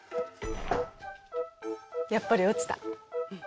やっぱり落ちた。